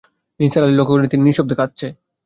নিসার আলি লক্ষ করলেন, তিন্নি নিঃশব্দে কাঁদছে।